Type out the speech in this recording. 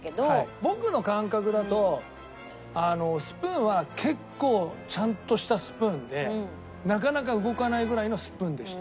僕の感覚だとスプーンは結構ちゃんとしたスプーンでなかなか動かないぐらいのスプーンでした。